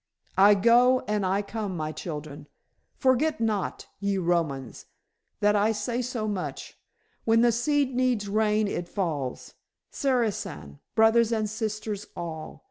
"I go and I come, my children. Forget not, ye Romans, that I say so much. When the seed needs rain it falls. Sarishan, brothers and sisters all."